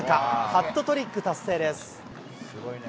ハットトリック達成です。